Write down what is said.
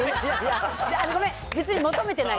ごめん、別に求めてない。